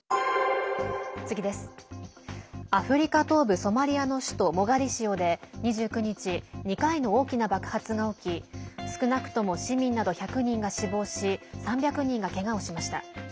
アフリカ東部ソマリアの首都モガディシオで２９日、２回の大きな爆発が起き少なくとも市民など１００人が死亡し３００人が、けがをしました。